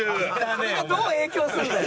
それがどう影響するんだよ？